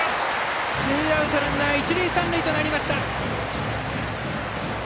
ツーアウトランナー、一塁三塁となりました。